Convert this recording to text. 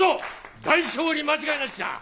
大勝利間違いなしじゃ！